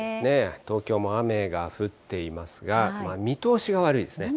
東京も雨が降っていますが、見通しが悪いですね。